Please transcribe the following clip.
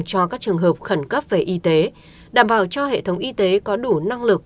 cho các trường hợp khẩn cấp về y tế đảm bảo cho hệ thống y tế có đủ năng lực